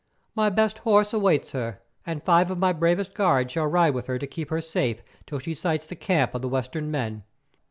"My best horse awaits her, and five of my bravest guards shall ride with her to keep her safe till she sights the camp of the Western men.